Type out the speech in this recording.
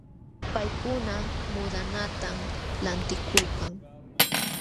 Paykuna muudanatam lantikulkan.